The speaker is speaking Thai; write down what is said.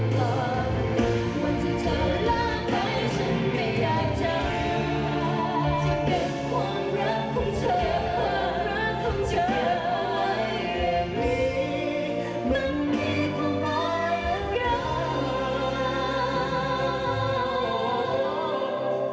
กับคอนเซ็ปต์ที่ว่าออนแอร์ก็แพ้ไปอยากไฟล์ตก็เข้ามาค่ะ